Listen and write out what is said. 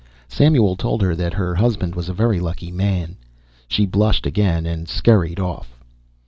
Samuel told her that her husband was a very lucky man. She blushed again and scurried off.